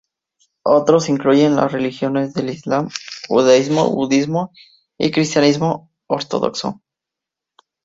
Otros incluyen las religiones del Islam, judaísmo, Budismo y cristianismo ortodoxo.